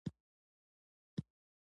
سوالګر د ژوند له ستونزو سره مخ دی